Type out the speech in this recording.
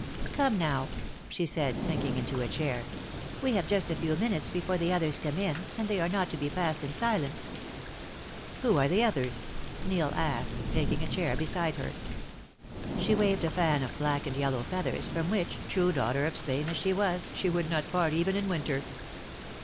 "Come now," she said, sinking into a chair. "We have just a few minutes before the others come in, and they are not to be passed in silence." "Who are the others?" Neil asked, taking a chair beside her. She waved a fan of black and yellow feathers from which, true daughter of Spain as she was, she would not part even in winter.